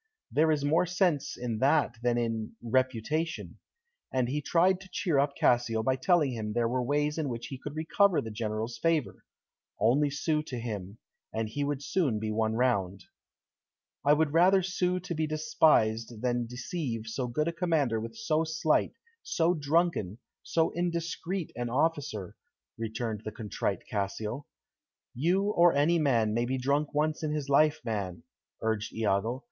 "There is more sense in that than in 'reputation.'" And he tried to cheer up Cassio by telling him there were ways in which he could recover the General's favour, only sue to him, and he would soon be won round. "I would rather sue to be despised than deceive so good a commander with so slight, so drunken, so indiscreet an officer," returned the contrite Cassio. "You or any man may be drunk once in his life, man," urged Iago.